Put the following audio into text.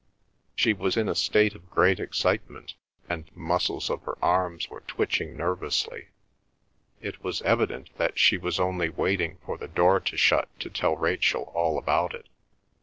She was in a state of great excitement, and the muscles of her arms were twitching nervously. It was evident that she was only waiting for the door to shut to tell Rachel all about it.